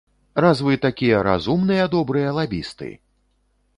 Раз вы такія разумныя добрыя лабісты!